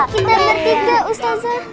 kita bertiga ustazah